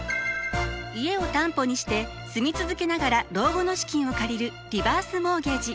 家を担保にして住み続けながら老後の資金を借りるリバースモーゲージ。